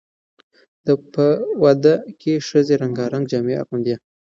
په واده کې ښځې رنګارنګ جامې اغوندي.